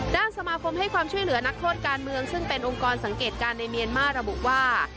ด้านสมาคมให้ความช่วยเหลือนักโทษการเมืองซึ่งเป็นองค์กรสังเกตการณ์ในเมียนมาร์ระบุว่า